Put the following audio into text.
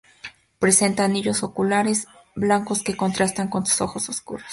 Presenta anillos oculares blancos que contrastan con sus ojos oscuros.